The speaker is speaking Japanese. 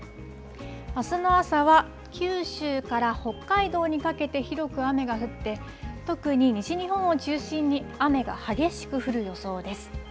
あすの朝は九州から北海道にかけて広く雨が降って、特に西日本を中心に雨が激しく降る予想です。